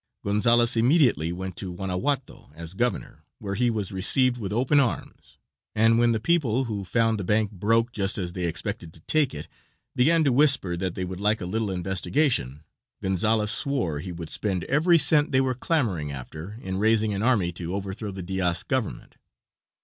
Gonzales immediately went to Guanajuato as governor, where he was received with open arms, and when the people, who found the bank broke just as they expected to take it, began to whisper that they would like a little investigation, Gonzales swore he would spend every cent they were clamoring after in raising an army to overthrow the Diaz Government.